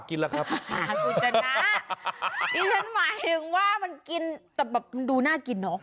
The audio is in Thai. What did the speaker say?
กูจะนะนี่ฉันหมายถึงว่ามันกินแต่แบบมันดูน่ากินเหรอ